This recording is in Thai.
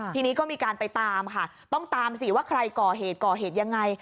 ทีนี้ก็มีการไปตามค่ะต้องตามสิว่าใครก่อเหตุก่อเหตุยังไง